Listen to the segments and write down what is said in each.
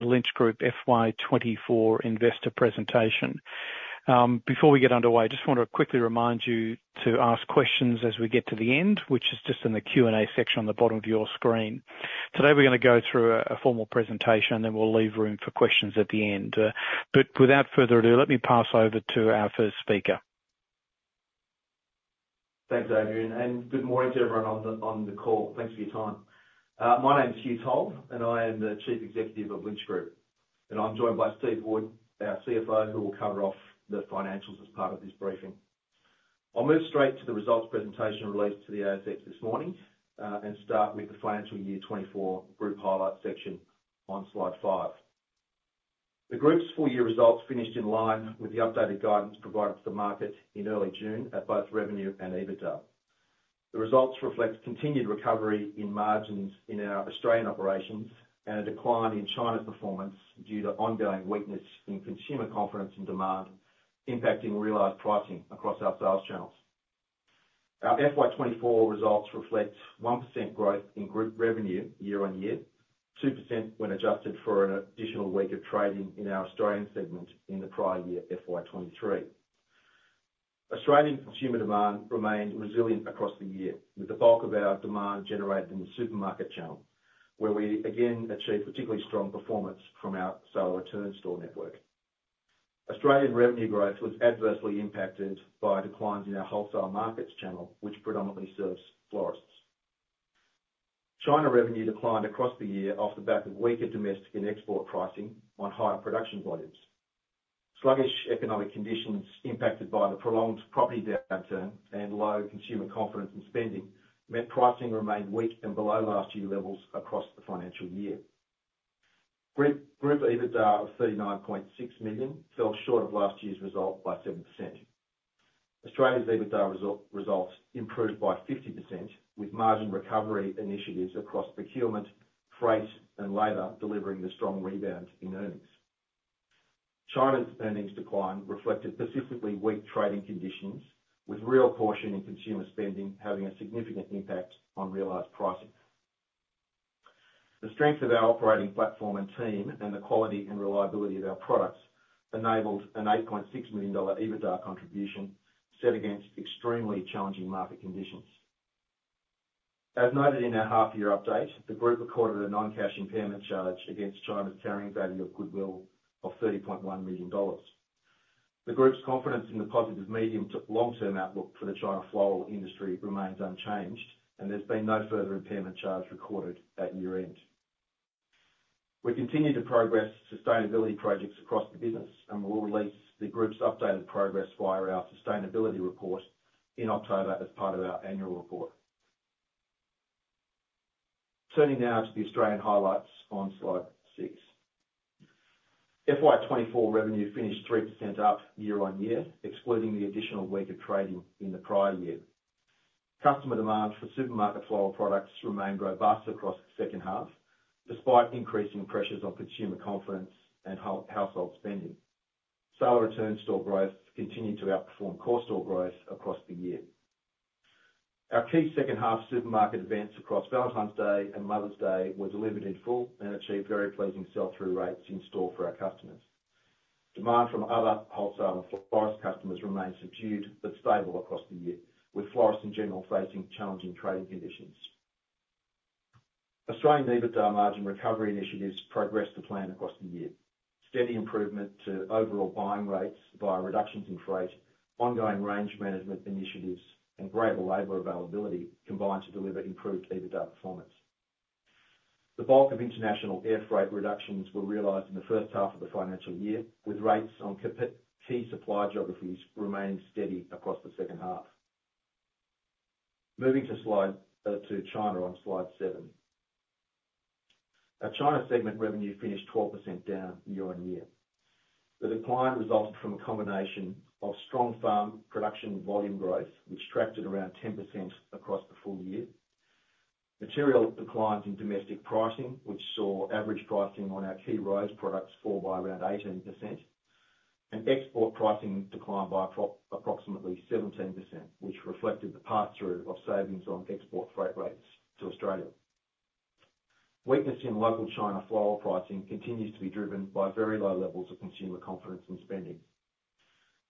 Lynch Group FY 2024 Investor Presentation. Before we get underway, I just want to quickly remind you to ask questions as we get to the end, which is just in the Q&A section on the bottom of your screen. Today, we're gonna go through a formal presentation, and then we'll leave room for questions at the end. But without further ado, let me pass over to our first speaker. Thanks, Adrian, and good morning to everyone on the call. Thanks for your time. My name is Hugh Toll, and I am the Chief Executive of Lynch Group, and I'm joined by Steve Boyd, our CFO, who will cover off the financials as part of this briefing. I'll move straight to the results presentation released to the ASX this morning, and start with the financial year twenty-four group highlights section on Slide five. The group's full-year results finished in line with the updated guidance provided to the market in early June at both revenue and EBITDA. The results reflect continued recovery in margins in our Australian operations, and a decline in China's performance due to ongoing weakness in consumer confidence and demand, impacting realized pricing across our sales channels. Our FY 2024 results reflect 1% growth in group revenue year on year, 2% when adjusted for an additional week of trading in our Australian segment in the prior year, FY 2023. Australian consumer demand remained resilient across the year, with the bulk of our demand generated in the supermarket channel, where we again achieved particularly strong performance from our sale or return store network. Australian revenue growth was adversely impacted by declines in our wholesale markets channel, which predominantly serves florists. China revenue declined across the year off the back of weaker domestic and export pricing on higher production volumes. Sluggish economic conditions impacted by the prolonged property downturn and low consumer confidence and spending, meant pricing remained weak and below last year levels across the financial year. Group EBITDA of 39.6 million fell short of last year's result by 7%. Australia's EBITDA result, results improved by 50%, with margin recovery initiatives across procurement, freight, and labor, delivering the strong rebound in earnings. China's earnings decline reflected specifically weak trading conditions, with real caution in consumer spending having a significant impact on realized pricing. The strength of our operating platform and team, and the quality and reliability of our products, enabled an 8.6 million dollar EBITDA contribution set against extremely challenging market conditions. As noted in our half-year update, the group recorded a non-cash impairment charge against China's carrying value of goodwill of 30.1 million dollars. The group's confidence in the positive medium to long-term outlook for the China floral industry remains unchanged, and there's been no further impairment charge recorded at year-end. We continue to progress sustainability projects across the business, and we will release the group's updated progress via our sustainability report in October as part of our annual report. Turning now to the Australian highlights on Slide six. FY 2024 revenue finished 3% up year on year, excluding the additional week of trading in the prior year. Customer demand for supermarket floral products remained robust across the second half, despite increasing pressures on consumer confidence and household spending. Sale or Return store growth continued to outperform core store growth across the year. Our key second half supermarket events across Valentine's Day and Mother's Day were delivered in full and achieved very pleasing sell-through rates in store for our customers. Demand from other wholesale and florist customers remained subdued but stable across the year, with florists in general facing challenging trading conditions. Australian EBITDA margin recovery initiatives progressed to plan across the year. Steady improvement to overall buying rates via reductions in freight, ongoing range management initiatives, and greater labor availability combined to deliver improved EBITDA performance. The bulk of international air freight reductions were realized in the first half of the financial year, with rates on key supply geographies remaining steady across the second half. Moving to China on Slide 7. Our China segment revenue finished 12% down year on year. The decline resulted from a combination of strong farm production volume growth, which tracked at around 10% across the full year. Material declines in domestic pricing, which saw average pricing on our key rose products fall by around 18%, and export pricing declined by approximately 17%, which reflected the pass-through of savings on export freight rates to Australia. Weakness in local China floral pricing continues to be driven by very low levels of consumer confidence and spending,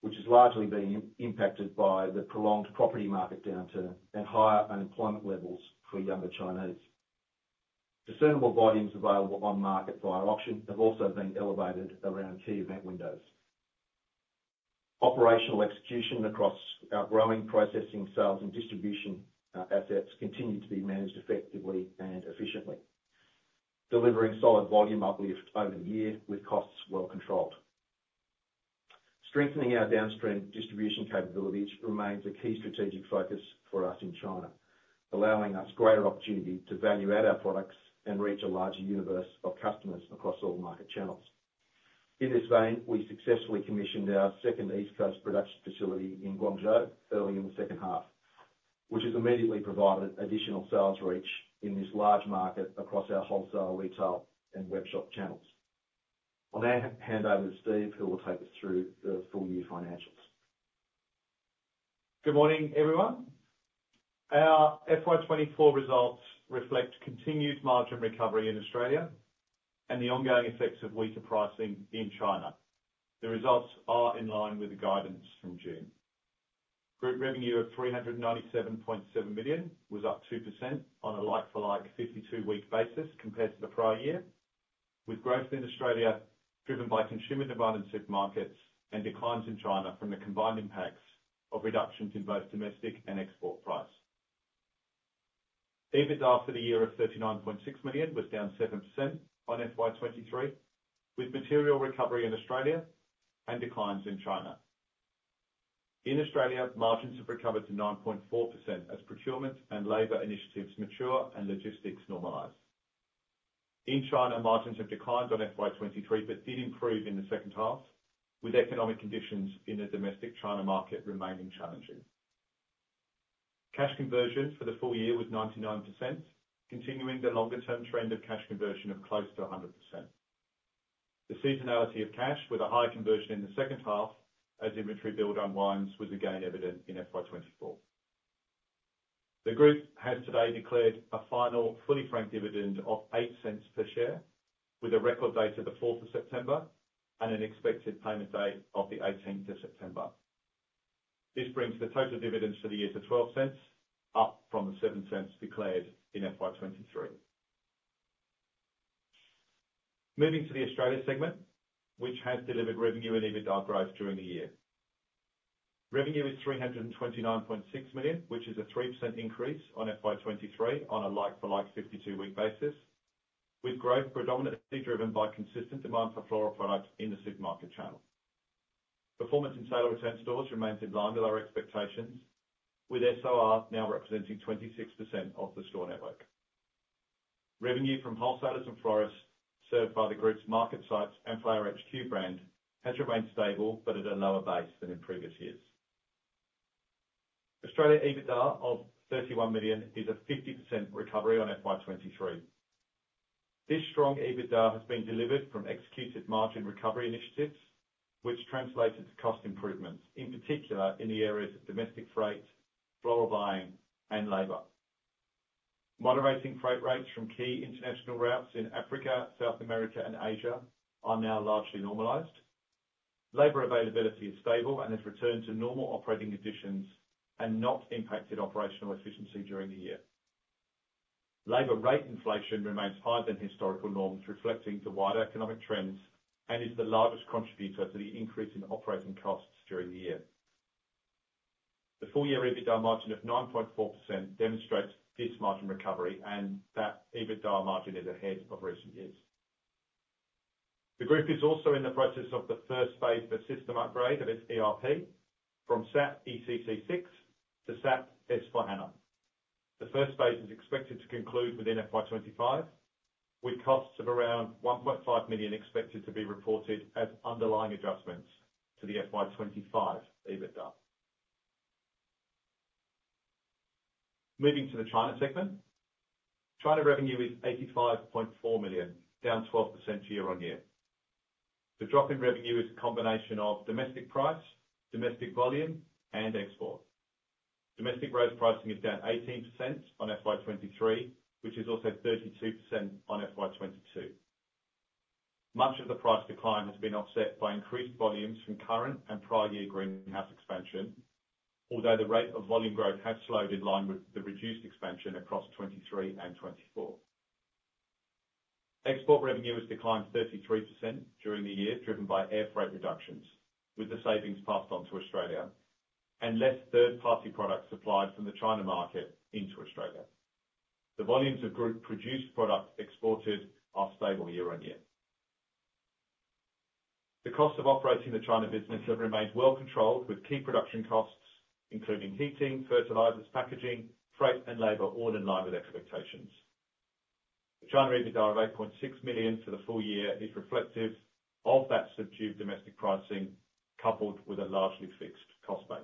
which has largely been impacted by the prolonged property market downturn and higher unemployment levels for younger Chinese. Discernible volumes available on market via auction have also been elevated around key event windows. Operational execution across our growing processing, sales, and distribution assets continued to be managed effectively and efficiently, delivering solid volume uplift over the year, with costs well controlled. Strengthening our downstream distribution capabilities remains a key strategic focus for us in China, allowing us greater opportunity to value-add our products and reach a larger universe of customers across all market channels. In this vein, we successfully commissioned our second East Coast production facility in Guangzhou early in the second half, which has immediately provided additional sales reach in this large market across our wholesale, retail, and webshop channels. I'll now hand over to Steve, who will take us through the full year financials. Good morning, everyone. Our FY 2024 results reflect continued margin recovery in Australia. And the ongoing effects of weaker pricing in China. The results are in line with the guidance from June. Group revenue of 397.7 million was up 2% on a like-for-like 52-week basis compared to the prior year, with growth in Australia driven by consumer demand in supermarket and declines in China from the combined impacts of reductions in both domestic and export price. EBITDA for the year of 39.6 million was down 7% on FY 2023, with material recovery in Australia and declines in China. In Australia, margins have recovered to 9.4% as procurement and labor initiatives mature and logistics normalize. In China, margins have declined on FY 2023, but did improve in the second half, with economic conditions in the domestic China market remaining challenging. Cash conversion for the full year was 99%, continuing the longer-term trend of cash conversion of close to 100%. The seasonality of cash, with a higher conversion in the second half as inventory build unwinds, was again evident in FY 2024. The group has today declared a final fully franked dividend of 0.08 per share, with a record date of the 4th of September and an expected payment date of the 18th of September. This brings the total dividends for the year to 0.12, up from the 0.07 declared in FY 2023. Moving to the Australia segment, which has delivered revenue and EBITDA growth during the year. Revenue is 329.6 million, which is a 3% increase on FY 2023 on a like-for-like 52-week basis, with growth predominantly driven by consistent demand for floral products in the supermarket channel. Performance in sale-or-return stores remains in line with our expectations, with SOR now representing 26% of the store network. Revenue from wholesalers and florists served by the group's market sites and Flower HQ brand has remained stable, but at a lower base than in previous years. Australia EBITDA of 31 million is a 50% recovery on FY 2023. This strong EBITDA has been delivered from executed margin recovery initiatives, which translated to cost improvements, in particular in the areas of domestic freight, floral buying, and labor. Moderating freight rates from key international routes in Africa, South America, and Asia are now largely normalized. Labor availability is stable and has returned to normal operating conditions and not impacted operational efficiency during the year. Labor rate inflation remains higher than historical norms, reflecting the wider economic trends, and is the largest contributor to the increase in operating costs during the year. The full-year EBITDA margin of 9.4% demonstrates this margin recovery and that EBITDA margin is ahead of recent years. The group is also in the process of the first phase of a system upgrade of its ERP from SAP ECC 6.0 to SAP S/4HANA. The first phase is expected to conclude within FY 2025, with costs of around 1.5 million expected to be reported as underlying adjustments to the FY 2025 EBITDA. Moving to the China segment. China revenue is 85.4 million, down 12% year on year. The drop in revenue is a combination of domestic price, domestic volume, and export. Domestic rose pricing is down 18% on FY 2023, which is also 32% on FY 2022. Much of the price decline has been offset by increased volumes from current and prior year greenhouse expansion, although the rate of volume growth has slowed in line with the reduced expansion across 2023 and 2024. Export revenue has declined 33% during the year, driven by air freight reductions, with the savings passed on to Australia and less third-party products supplied from the China market into Australia. The volumes of group-produced products exported are stable year on year. The cost of operating the China business have remained well controlled, with key production costs, including heating, fertilizers, packaging, freight, and labor, all in line with expectations. China EBITDA of 8.6 million for the full year is reflective of that subdued domestic pricing, coupled with a largely fixed cost base.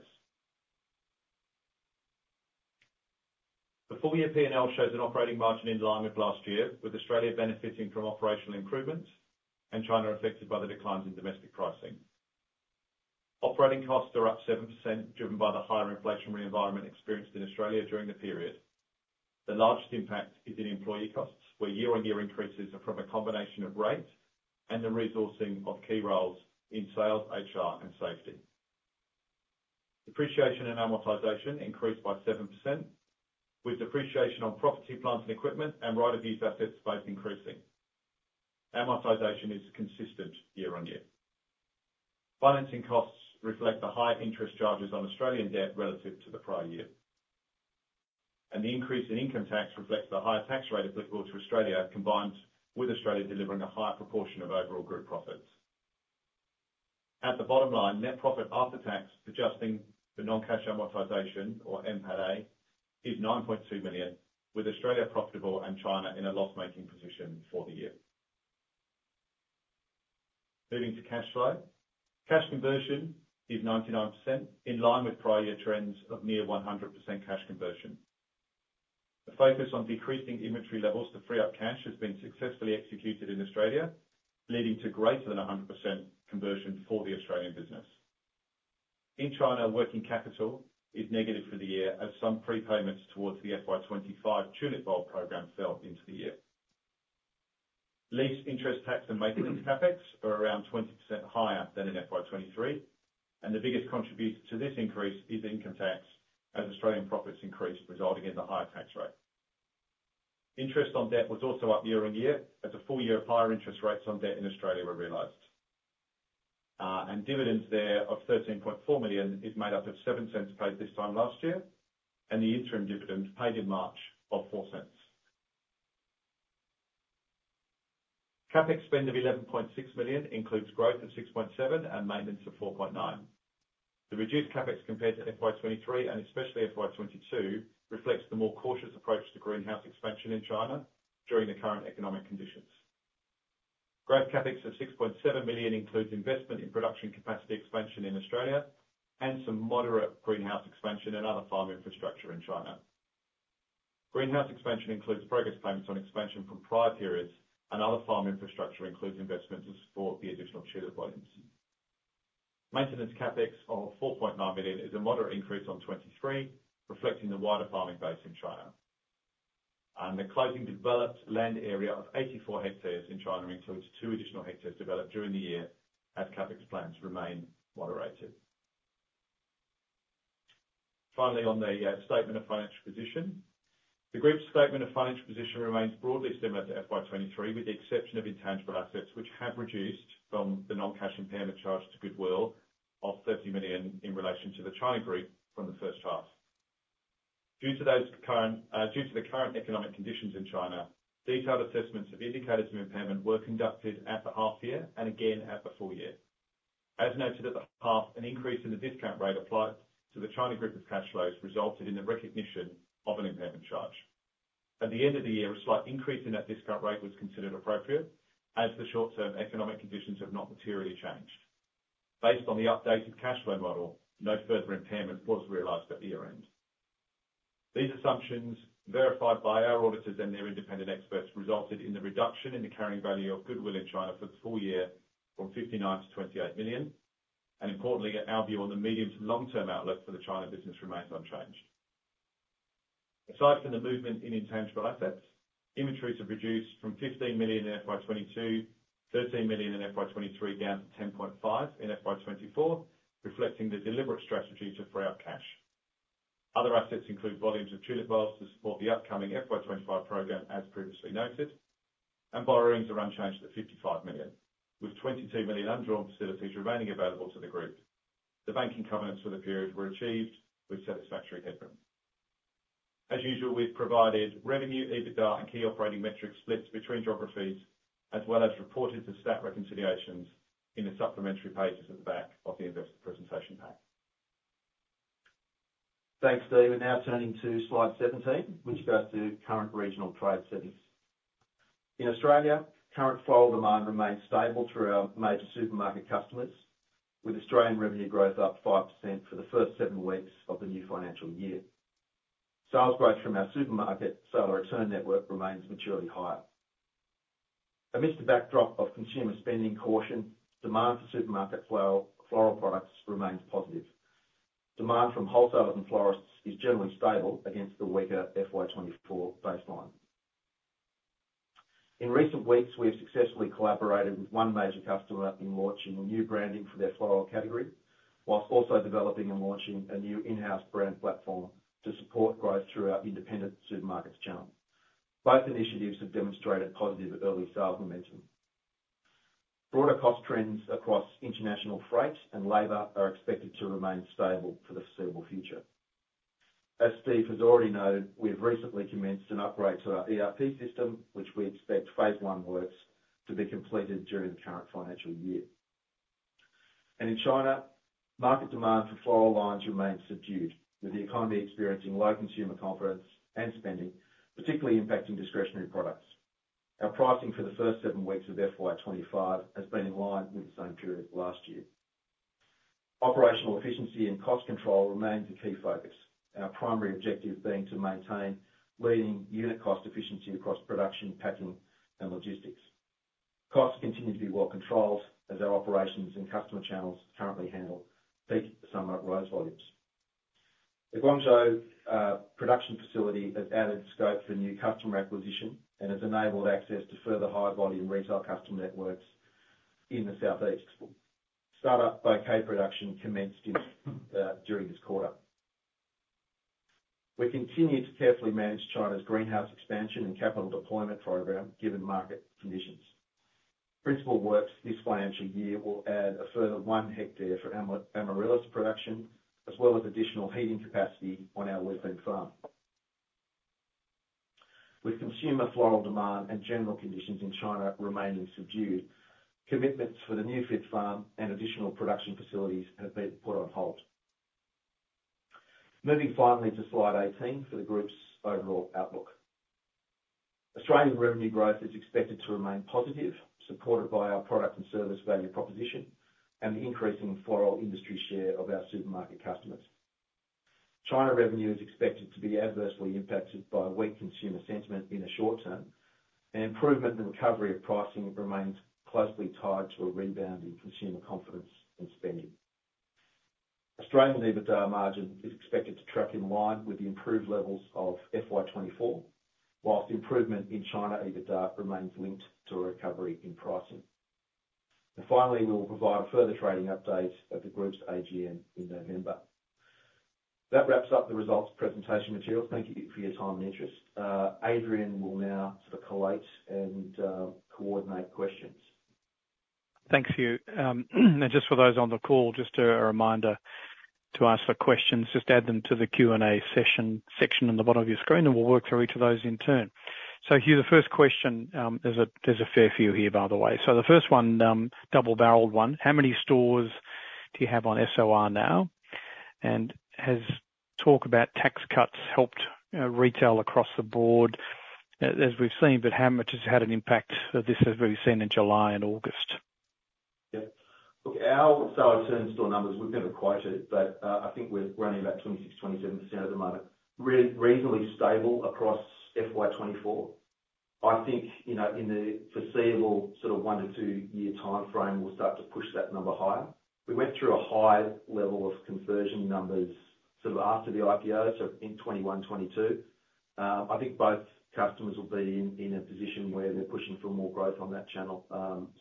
The full-year P&L shows an operating margin in line with last year, with Australia benefiting from operational improvements and China affected by the declines in domestic pricing. Operating costs are up 7%, driven by the higher inflationary environment experienced in Australia during the period. The largest impact is in employee costs, where year-on-year increases are from a combination of rate and the resourcing of key roles in sales, HR, and safety. Depreciation and amortization increased by 7%, with depreciation on property, plant, and equipment, and right of use assets both increasing. Amortization is consistent year on year. Financing costs reflect the high interest charges on Australian debt relative to the prior year. The increase in income tax reflects the higher tax rate applicable to Australia, combined with Australia delivering a higher proportion of overall group profits. At the bottom line, net profit after tax, adjusting for non-cash amortization or NPATA, is 9.2 million, with Australia profitable and China in a loss-making position for the year. Moving to cash flow. Cash conversion is 99%, in line with prior year trends of near 100% cash conversion. The focus on decreasing inventory levels to free up cash has been successfully executed in Australia, leading to greater than 100% conversion for the Australian business. In China, working capital is negative for the year, as some prepayments towards the FY 2025 tulip bulb program fell into the year. Lease, interest, tax, and maintenance CapEx are around 20% higher than in FY 2023, and the biggest contributor to this increase is income tax, as Australian profits increased, resulting in the higher tax rate. Interest on debt was also up year on year, as a full year of higher interest rates on debt in Australia were realized. And dividends there of 13.4 million is made up of $0.07 paid this time last year, and the interim dividend paid in March of $0.04. CapEx spend of 11.6 million includes growth of 6.7 and maintenance of 4.9. The reduced CapEx compared to FY 2023, and especially FY 2022, reflects the more cautious approach to greenhouse expansion in China during the current economic conditions. Growth CapEx of 6.7 million includes investment in production capacity expansion in Australia, and some moderate greenhouse expansion and other farm infrastructure in China. Greenhouse expansion includes progress payments on expansion from prior periods, and other farm infrastructure includes investments to support the additional tulip volumes. Maintenance CapEx of 4.9 million is a moderate increase on 2023, reflecting the wider farming base in China. And the closing developed land area of 84 hectares in China includes 2 additional hectares developed during the year, as CapEx plans remain moderated. Finally, on the statement of financial position. The group's statement of financial position remains broadly similar to FY 2023, with the exception of intangible assets, which have reduced from the non-cash impairment charge to goodwill of 30 million in relation to the China group from the first half. Due to the current economic conditions in China, detailed assessments of indicators of impairment were conducted at the half year, and again at the full year. As noted at the half, an increase in the discount rate applied to the China group of cash flows resulted in the recognition of an impairment charge. At the end of the year, a slight increase in that discount rate was considered appropriate, as the short-term economic conditions have not materially changed. Based on the updated cash flow model, no further impairment was realized at year-end. These assumptions, verified by our auditors and their independent experts, resulted in the reduction in the carrying value of goodwill in China for the full year, from 59 to 28 million, and importantly, our view on the medium to long-term outlook for the China business remains unchanged. Aside from the movement in intangible assets, inventories have reduced from 15 million in FY 2022, 13 million in FY 2023, down to 10.5 million in FY 2024, reflecting the deliberate strategy to free up cash. Other assets include volumes of tulip bulbs to support the upcoming FY 2025 program, as previously noted, and borrowings are unchanged at 55 million, with 22 million undrawn facilities remaining available to the group. The banking covenants for the period were achieved with satisfactory headroom. As usual, we've provided revenue, EBITDA, and key operating metrics splits between geographies, as well as reported the stat reconciliations in the supplementary pages at the back of the investor presentation pack. Thanks, Steve. We're now turning to Slide 17, which goes to current regional trade settings. In Australia, current floral demand remains stable through our major supermarket customers, with Australian revenue growth up 5% for the first seven weeks of the new financial year. Sales growth from our supermarket sale or return network remains materially higher. Amidst the backdrop of consumer spending caution, demand for supermarket floral products remains positive. Demand from wholesalers and florists is generally stable against the weaker FY 2024 baseline. In recent weeks, we have successfully collaborated with one major customer in launching a new branding for their floral category, while also developing and launching a new in-house brand platform to support growth through our independent supermarkets channel. Both initiatives have demonstrated positive early sales momentum. Broader cost trends across international freight and labor are expected to remain stable for the foreseeable future. As Steve has already noted, we've recently commenced an upgrade to our ERP system, which we expect phase one works to be completed during the current financial year. And in China, market demand for floral lines remains subdued, with the economy experiencing low consumer confidence and spending, particularly impacting discretionary products. Our pricing for the first seven weeks of FY 2025 has been in line with the same period last year. Operational efficiency and cost control remains a key focus, our primary objective being to maintain leading unit cost efficiency across production, packing, and logistics. Costs continue to be well controlled as our operations and customer channels currently handle peak summer rose volumes. The Guangzhou production facility has added scope for new customer acquisition, and has enabled access to further high-volume retail customer networks in the Southeast. Startup bouquet production commenced during this quarter. We continue to carefully manage China's greenhouse expansion and capital deployment program, given market conditions. Principal works this financial year will add a further one hectare for amaryllis production, as well as additional heating capacity on our Lufeng farm. With consumer floral demand and general conditions in China remaining subdued, commitments for the new 5th farm and additional production facilities have been put on hold. Moving finally to Slide 18 for the group's overall outlook. Australian revenue growth is expected to remain positive, supported by our product and service value proposition, and the increasing floral industry share of our supermarket customers. China revenue is expected to be adversely impacted by weak consumer sentiment in the short term, and improvement in recovery of pricing remains closely tied to a rebound in consumer confidence and spending. Australian EBITDA margin is expected to track in line with the improved levels of FY 2024, while improvement in China EBITDA remains linked to a recovery in pricing. And finally, we'll provide a further trading update at the group's AGM in November. That wraps up the results presentation material thank you for your time and interest. Adrian will now sort of collate and coordinate questions. Thanks, Hugh. And just for those on the call, just a reminder to ask for questions. Just add them to the Q&A session section on the bottom of your screen, and we'll work through each of those in turn. So Hugh, the first question. There's a fair few here, by the way so the first one, double-barreled one. How many stores do you have on SOR now? And has talk about tax cuts helped retail across the board, as we've seen, but how much has had an impact, this as we've seen in July and August? Yeah. Look, our SOR turn store numbers, we've never quoted, but I think we're running about 26-27% at the moment. Reasonably stable across FY 2024. I think, you know, in the foreseeable sort of one to two-year timeframe, we'll start to push that number higher. We went through a high level of conversion numbers sort of after the IPO, so in 2021, 2022. I think both customers will be in a position where they're pushing for more growth on that channel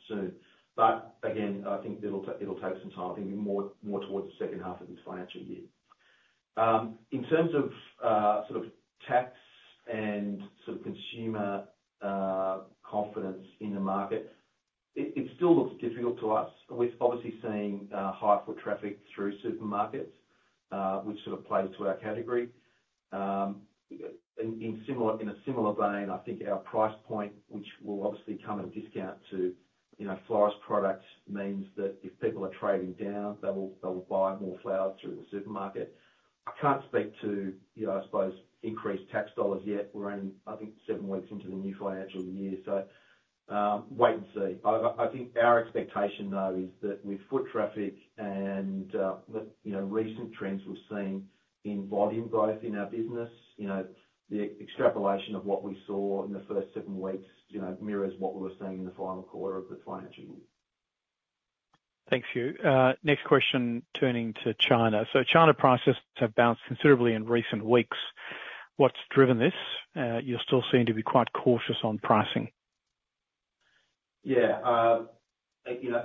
soon. But again, I think it'll take some time, I think more towards the second half of this financial year. In terms of sort of tax and sort of consumer confidence in the market, it still looks difficult to us. We're obviously seeing high foot traffic through supermarkets, which sort of plays to our category. In a similar vein, I think our price point, which will obviously come at a discount to, you know, florist products, means that if people are trading down, they will buy more flowers through the supermarket. I can't speak to, you know, I suppose, increased tax dollars yet we're only, I think, seven weeks into the new financial year, so wait and see i think our expectation, though, is that with foot traffic and with, you know, recent trends we've seen in volume growth in our business, you know, the extrapolation of what we saw in the first seven weeks, you know, mirrors what we were seeing in the final quarter of the financial year. Thanks, Hugh. Next question, turning to China. So China prices have bounced considerably in recent weeks. What's driven this? You still seem to be quite cautious on pricing. Yeah, you know,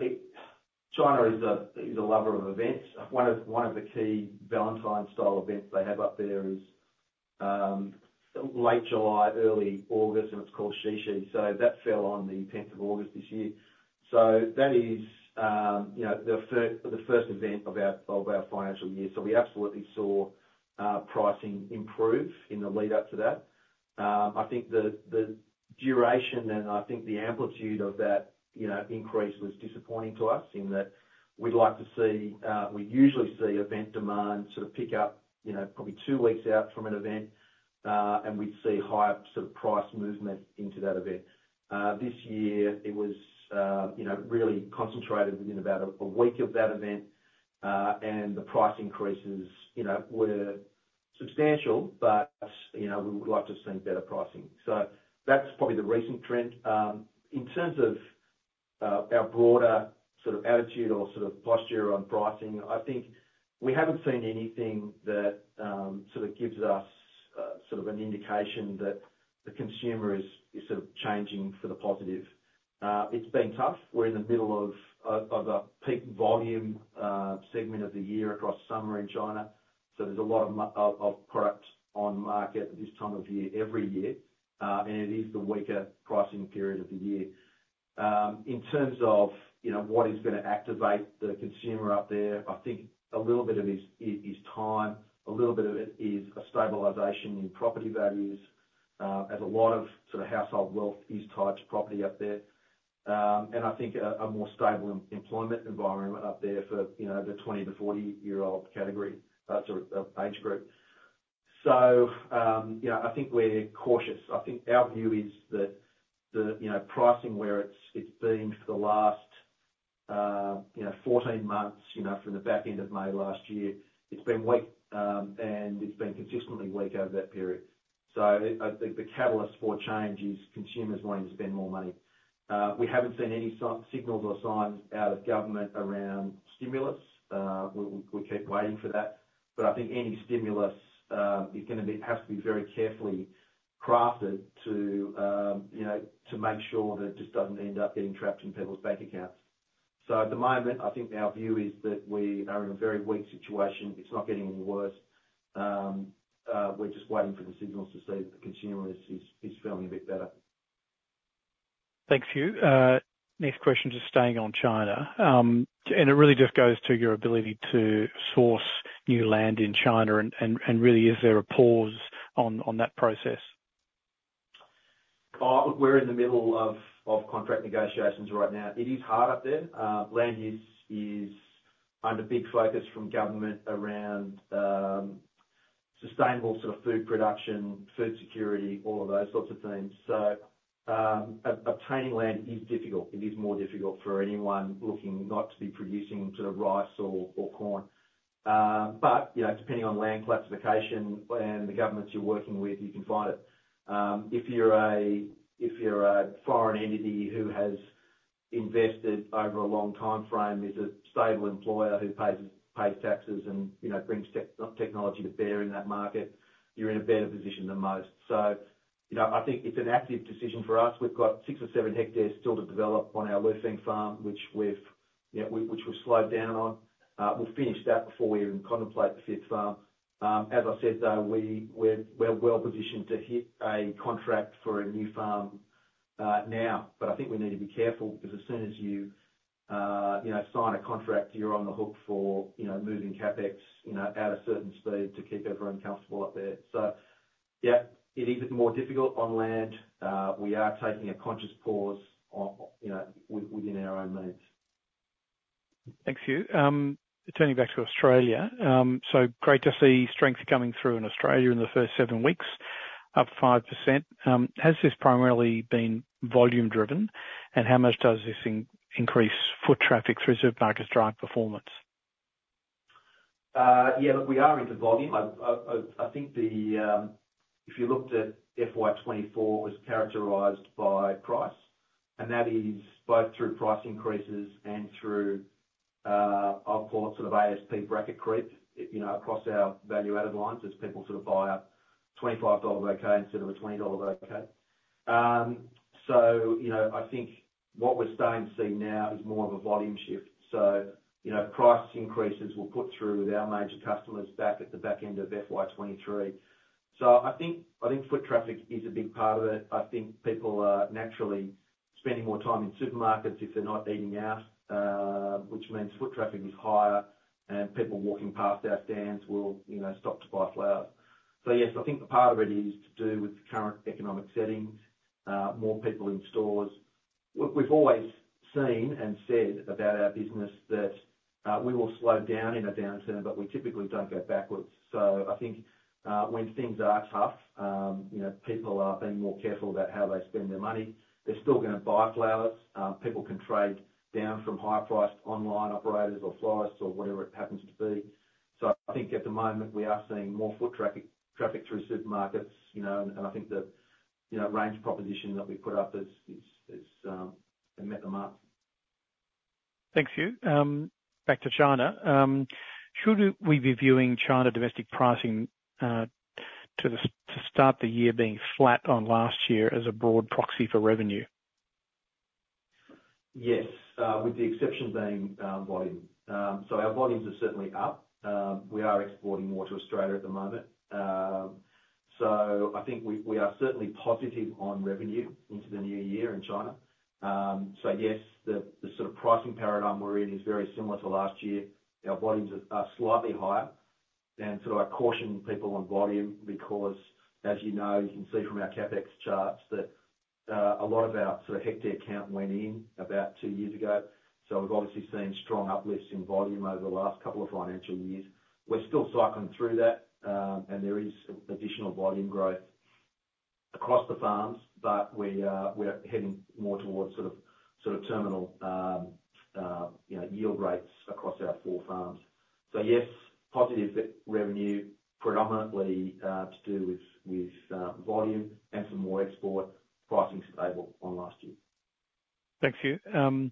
China is a lover of events. One of the key Valentine's-style events they have up there is late July, early August, and it's called Qixi so that fell on the 10th of August this year. So that is, you know, the first event of our financial year so we absolutely saw pricing improve in the lead up to that. I think the duration, and I think the amplitude of that, you know, increase was disappointing to us in that we'd like to see. We usually see event demand sort of pick up, you know, probably two weeks out from an event, and we'd see higher sort of price movement into that event. This year, it was, you know, really concentrated within about a week of that event, and the price increases, you know, were substantial, but, you know, we would like to have seen better pricing so that's probably the recent trend. In terms of our broader sort of attitude or sort of posture on pricing, I think we haven't seen anything that sort of gives us sort of an indication that the consumer is sort of changing for the positive. It's been tough, we're in the middle of a peak volume segment of the year across summer in China, so there's a lot of product on market this time of year, every year, and it is the weaker pricing period of the year. In terms of, you know, what is gonna activate the consumer out there, I think a little bit of it is time, a little bit of it is a stabilization in property values, as a lot of sort of household wealth is tied to property up there and I think a more stable employment environment up there for, you know, the 20-40-year-old category, sort of, age group. You know, I think we're cautious i think our view is that the, you know, pricing where it's been for the last, you know, 14 months, you know, from the back end of May last year, it's been weak, and it's been consistently weak over that period. So I think the catalyst for change is consumers wanting to spend more money. We haven't seen any signals or signs out of government around stimulus. We keep waiting for that, but I think any stimulus has to be very carefully crafted to, you know, to make sure that it just doesn't end up getting trapped in people's bank accounts. So at the moment, I think our view is that we are in a very weak situation it's not getting any worse. We're just waiting for the signals to see if the consumer is feeling a bit better. Thanks, Hugh. Next question, just staying on China. And it really just goes to your ability to source new land in China, and really, is there a pause on that process? We're in the middle of contract negotiations right now it is hard up there. Land use is under big focus from government around sustainable sort of food production, food security, all of those sorts of things, so obtaining land is difficult. It is more difficult for anyone looking not to be producing sort of rice or corn. But you know, depending on land classification and the governments you're working with, you can find it. If you're a foreign entity who has invested over a long timeframe, is a stable employer who pays taxes and you know, brings technology to bear in that market, you're in a better position than most, so you know, I think it's an active decision for us we've got six or seven hectares still to develop on our Lufeng farm, which we've, you know, slowed down on. We'll finish that before we even contemplate the fifth farm. As I said, though, we're well positioned to hit a contract for a new farm now, but I think we need to be careful because as soon as you, you know, sign a contract, you're on the hook for, you know, moving CapEx, you know, at a certain speed to keep everyone comfortable out there. So yeah, it is more difficult on land. We are taking a conscious pause on, you know, within our own means. Thanks, Hugh. Turning back to Australia. So great to see strength coming through in Australia in the first seven weeks, up 5%. Has this primarily been volume driven, and how much does this increase foot traffic through supermarkets drive performance? Yeah, look, we are into volume i think if you looked at FY 2024, it was characterized by price, and that is both through price increases and through, I'll call it, sort of ASP bracket creep, you know, across our value-added lines as people sort of buy a AUD 25$ bouquet instead of a AUD 20$ bouquet. So you know, I think what we're starting to see now is more of a volume shift. So, you know, price increases were put through with our major customers back at the back end of FY 2023. So I think foot traffic is a big part of it i think people are naturally spending more time in supermarkets if they're not eating out, which means foot traffic is higher, and people walking past our stands will, you know, stop to buy flowers. So yes, I think a part of it is to do with the current economic settings, more people in stores. What we've always seen and said about our business that, we will slow down in a downturn, but we typically don't go backwards. So I think, when things are tough, you know, people are being more careful about how they spend their money. They're still gonna buy flowers. People can trade down from higher priced online operators or florists or whatever it happens to be. So I think at the moment, we are seeing more foot traffic, traffic through supermarkets, you know, and I think the, you know, range of proposition that we put up is, has met the mark. Thanks, Hugh. Back to China. Should we be viewing China domestic pricing to start the year being flat on last year as a broad proxy for revenue? Yes, with the exception being volume. So our volumes are certainly up. We are exporting more to Australia at the moment. So I think we are certainly positive on revenue into the new year in China. So yes, the sort of pricing paradigm we're in is very similar to last year. Our volumes are slightly higher. And so I caution people on volume because, as you know, you can see from our CapEx charts that a lot of our sort of hectare count went in about two years ago. So we've obviously seen strong uplifts in volume over the last couple of financial years. We're still cycling through that, and there is additional volume growth across the farms, but we are, we're heading more towards sort of terminal, you know, yield rates across our four farms. So yes, positive revenue, predominantly to do with volume and some more export pricing's stable on last year. Thanks, Hugh.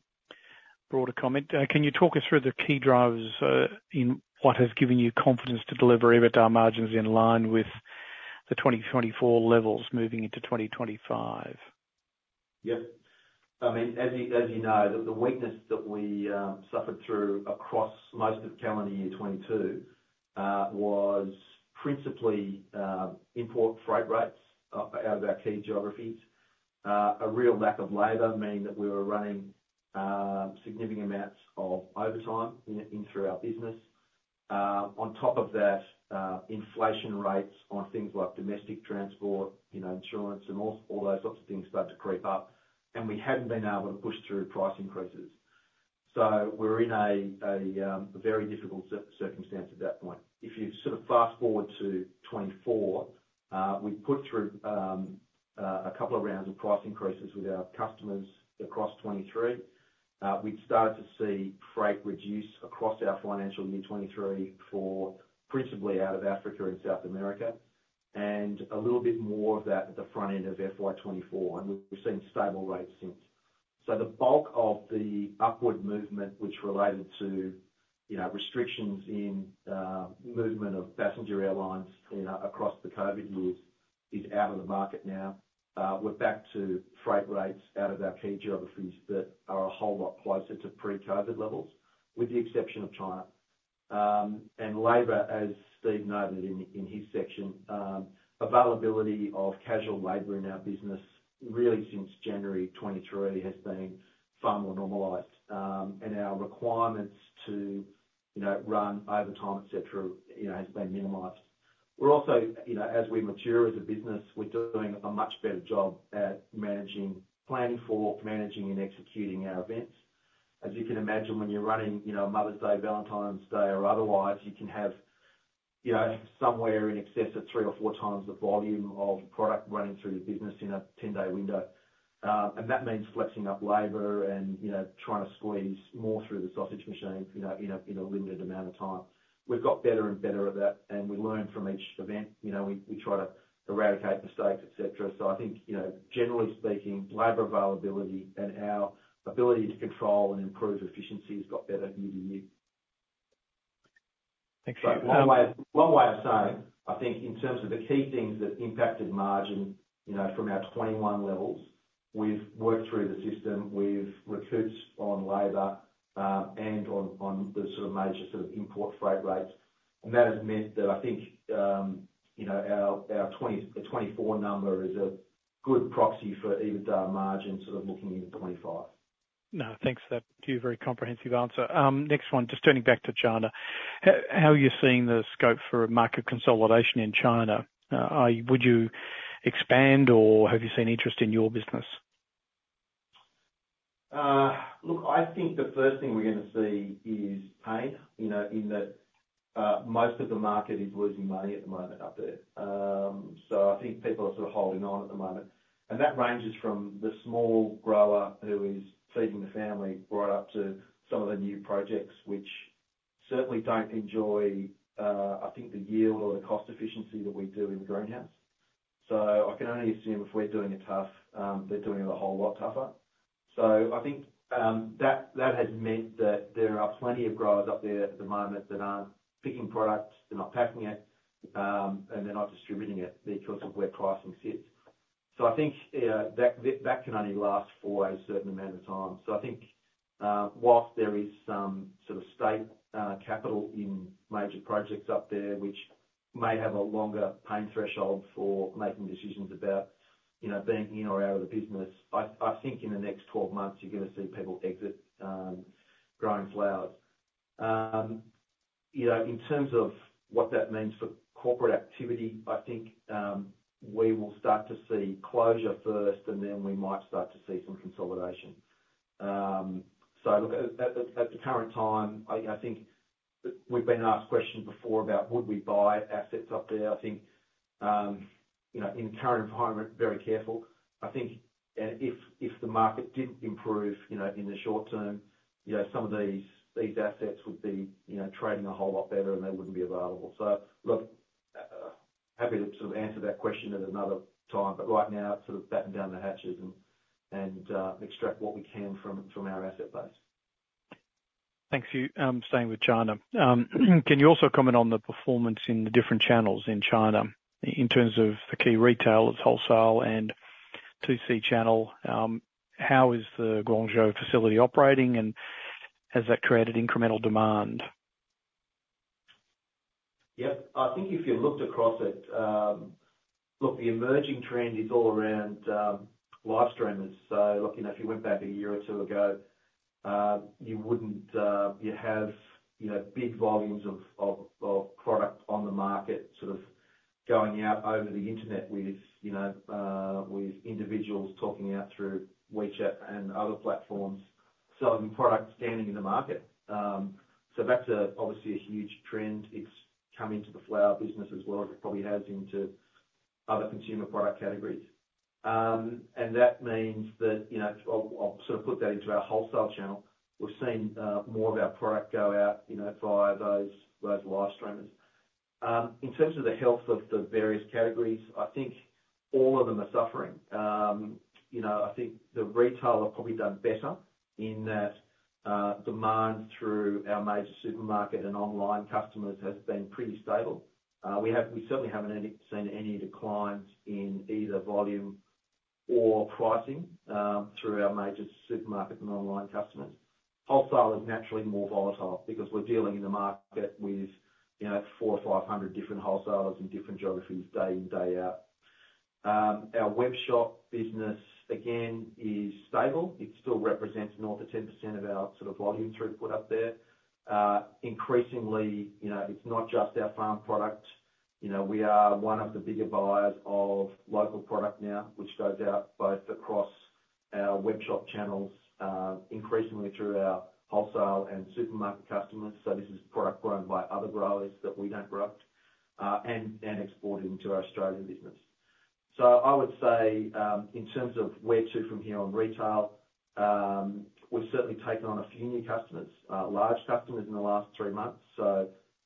Broader comment, can you talk us through the key drivers in what has given you confidence to deliver EBITDA margins in line with the 2024 levels moving into 2025? Yep. I mean, as you, as you know, the, the weakness that we suffered through across most of calendar year 2022, was principally, import freight rates out of our key geographies. A real lack of labor, meaning that we were running, significant amounts of overtime in through our business. On top of that, inflation rates on things like domestic transport, you know, insurance and all those sorts of things started to creep up, and we hadn't been able to push through price increases. So we were in a very difficult circumstance at that point if you sort of fast-forward to 2024, we put through a couple of rounds of price increases with our customers across 2023. We'd started to see freight reduce across our financial year 2023 for principally out of Africa and South America, and a little bit more of that at the front end of FY 2024, and we've seen stable rates since. So the bulk of the upward movement, which related to, you know, restrictions in movement of passenger airlines, you know, across the COVID years, is out of the market now. We're back to freight rates out of our key geographies that are a whole lot closer to pre-COVID levels, with the exception of China, and labor, as Steve noted in his section, availability of casual labor in our business, really since January 2023, has been far more normalized, and our requirements to, you know, run overtime, et cetera, you know, has been minimized. We're also, you know, as we mature as a business, we're doing a much better job at managing, planning for, managing, and executing our events. As you can imagine, when you're running, you know, Mother's Day, Valentine's Day, or otherwise, you can have, you know, somewhere in excess of three or four times the volume of product running through the business in a ten-day window. And that means flexing up labor and, you know, trying to squeeze more through the sausage machine, you know, in a, in a limited amount of time. We've got better and better at that, and we learn from each event you know, we, we try to eradicate mistakes, et cetera I think, you know, generally speaking, labor availability and our ability to control and improve efficiency has got better year to year. Thanks. Um- Long way, long way of saying, I think in terms of the key things that impacted margin, you know, from our 2021 levels, we've worked through the system, we've recouped on labor, and on the sort of major sort of import freight rates. That has meant that I think, you know, our 2024 number is a good proxy for EBITDA margins, sort of looking into 2025. No, thanks for that. Thank you, very comprehensive answer. Next one, just turning back to China. How are you seeing the scope for market consolidation in China? Would you expand, or have you seen interest in your business? Look, I think the first thing we're gonna see is pain, you know, in that most of the market is losing money at the moment up there. So I think people are sort of holding on at the moment, and that ranges from the small grower who is feeding the family, right up to some of the new projects, which certainly don't enjoy, I think, the yield or the cost efficiency that we do in the greenhouse. So I can only assume if we're doing it tough, they're doing it a whole lot tougher. So I think that has meant that there are plenty of growers up there at the moment that aren't picking product, they're not packing it, and they're not distributing it because of where pricing sits. So I think that can only last for a certain amount of time, i think while there is some sort of state capital in major projects up there, which may have a longer pain threshold for making decisions about, you know, being in or out of the business, I think in the next twelve months, you're gonna see people exit growing flowers. You know, in terms of what that means for corporate activity, I think we will start to see closure first, and then we might start to see some consolidation. So look, at the current time, I think we've been asked questions before about would we buy assets up there? I think-- --You know, in the current environment, very careful i think, and if the market didn't improve, you know, in the short term, you know, some of these assets would be, you know, trading a whole lot better, and they wouldn't be available look, happy to sort of answer that question at another time, but right now, it's sort of batten down the hatches and extract what we can from our asset base. Thanks, Hugh. Staying with China, can you also comment on the performance in the different channels in China, in terms of the key retailers, wholesale, and TC Channel? How is the Guangzhou facility operating, and has that created incremental demand? Yep. I think if you looked across it. Look, the emerging trend is all around live streamers look, you know, if you went back a year or two ago, you wouldn't you have, you know, big volumes of product on the market sort of going out over the internet with, you know, with individuals talking out through WeChat and other platforms, selling product, standing in the market. So that's obviously a huge trend it's come into the flower business as well, as it probably has into other consumer product categories. And that means that, you know, I'll sort of put that into our wholesale channel. We've seen more of our product go out, you know, via those live streamers. In terms of the health of the various categories, I think all of them are suffering. You know, I think the retailer probably done better in that demand through our major supermarket and online customers has been pretty stable. We certainly haven't seen any declines in either volume or pricing through our major supermarket and online customers. Wholesale is naturally more volatile because we're dealing in a market with, you know, four or five hundred different wholesalers in different geographies, day in, day out. Our webshop business, again, is stable, its still represents north of 10% of our sort of volume throughput up there. Increasingly, you know, it's not just our farm product. You know, we are one of the bigger buyers of local product now, which goes out both across our webshop channels, increasingly through our wholesale and supermarket customers this is product grown by other growers that we don't grow, and exported into our Australian business. So I would say, in terms of where to from here on retail, we've certainly taken on a few new customers, large customers in the last three months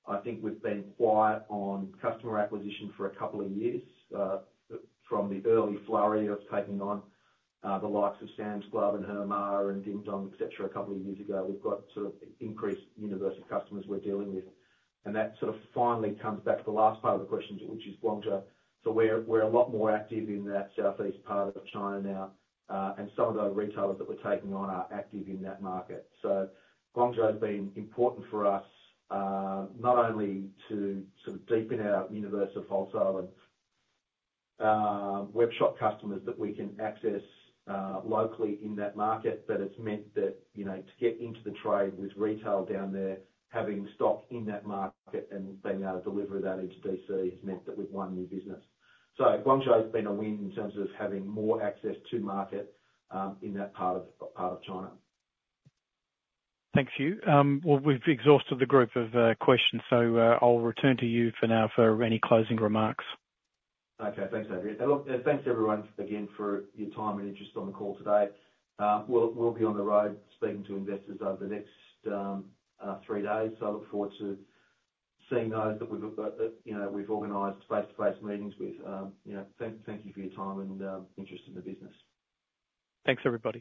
i think we've been quiet on customer acquisition for a couple of years, from the early flurry of taking on, the likes of Sam's Club, and Hema, and Dingdong, et cetera, a couple of years ago we've got sort of increased universe of customers we're dealing with. And that sort of finally comes back to the last part of the question, which is Guangzhou. So we're a lot more active in that southeast part of China now, and some of the retailers that we're taking on are active in that market. Guangzhou has been important for us. Not only to sort of deepen our universe of wholesale and webshop customers that we can access locally in that market, but it's meant that, you know, to get into the trade with retail down there, having stock in that market and being able to deliver that into DC, has meant that we've won new business. Guangzhou has been a win in terms of having more access to market, in that part of China. Thanks, Hugh. Well, we've exhausted the group of questions, so I'll return to you for now for any closing remarks. Okay. Thanks, Adrian. Well, thanks, everyone, again, for your time and interest on the call today. We'll be on the road speaking to investors over the next three days, so I look forward to seeing those that we've, you know, we've organized face-to-face meetings with. You know, thank you for your time and interest in the business. Thanks, everybody.